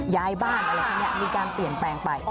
ย้ายบ้านมีการเปลี่ยนแปลงไป